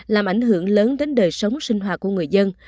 làm ảnh hưởng lớn đến đời sống sinh hoạt của người dân